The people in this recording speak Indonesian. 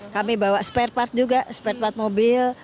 kami bawa spare part juga spare part mobil